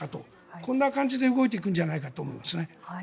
こんな感じで動いていくんじゃないかと思います。